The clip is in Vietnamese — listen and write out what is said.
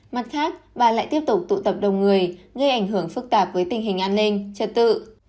mặt khác bà lại tiếp tục tụ tập đông người gây ảnh hưởng phức tạp với tình hình an ninh trật tự